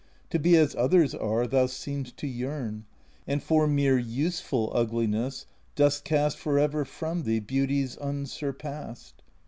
To be as others are thou seem'st to yearn, And for mere useful ugliness dost cast For ever from thee beauties unsurpassed.